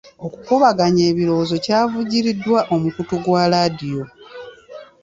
Okukubaganya ebirowoozo kwavujjiriddwa omukutu gwa laadiyo.